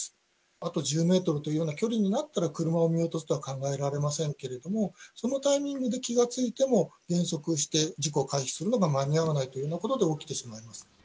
あと１０メートルというような距離になったら、車を見落とすことは考えられませんけれども、そのタイミングで気が付いても減速して事故を回避するのが間に合わないというようなことで起きてしまいます。